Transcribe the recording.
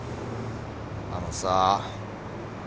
あのさ。